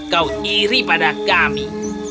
kau iri pada kami